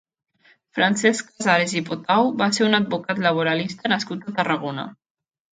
Francesc Casares i Potau va ser un advocat laboralista nascut a Tarragona.